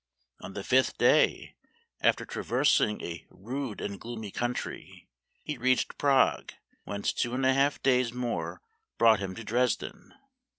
On the fifth day, after traversing a rude and gloomy country, he reached Prague, whence two and a half days more brought him to Dres den.